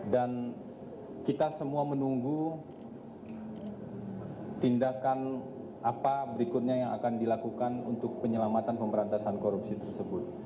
dan kita semua menunggu tindakan apa berikutnya yang akan dilakukan untuk penyelamatan pemberantasan korupsi tersebut